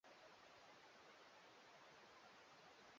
Walimshinikiza juu ya mada ya ndoa za watu wa jinsia moja